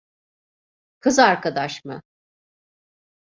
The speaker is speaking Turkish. Kız arkadaş mı?